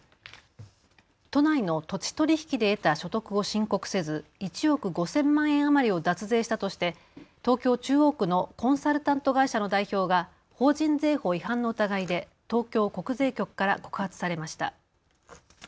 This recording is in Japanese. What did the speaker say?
都内の土地取引で得た所得を申告せず１億５０００万円余りを脱税したとして東京中央区のコンサルタント会社の代表が法人税法違反の疑いで東京国税局から告発されました。